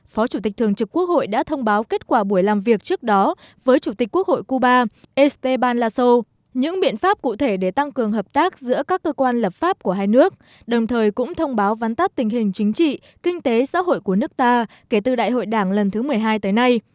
phó chủ tịch thường trực quốc hội đã thông báo kết quả buổi làm việc trước đó với chủ tịch quốc hội cuba estteban laso những biện pháp cụ thể để tăng cường hợp tác giữa các cơ quan lập pháp của hai nước đồng thời cũng thông báo vắn tắt tình hình chính trị kinh tế xã hội của nước ta kể từ đại hội đảng lần thứ một mươi hai tới nay